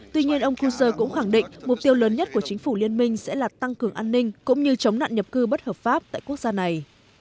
tuy nhiên ông kunse cũng khẳng định mục tiêu lớn nhất của chính phủ liên minh sẽ là tăng cường an ninh cũng như chống nạn nhập cư bất hợp pháp tại quốc gia này